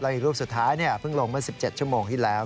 แล้วก็อีกรูปสุดท้ายเนี่ยเพิ่งลงมา๑๗ชั่วโมงที่แล้ว